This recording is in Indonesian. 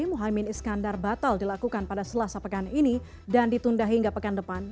muhaymin iskandar batal dilakukan pada selasa pekan ini dan ditunda hingga pekan depan